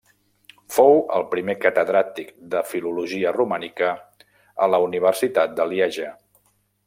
Fou el primer catedràtic de Filologia Romànica a la universitat de Lieja.